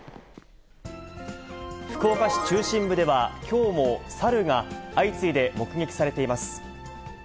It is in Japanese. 福岡市中心部では、きょうも猿が相次いで目撃されています。